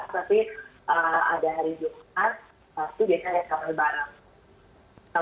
tapi ada hari jumat pasti biasanya sama berbarang